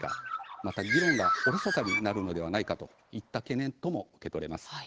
また議論がおろそかになるのではないかといった懸念とも受け取れます。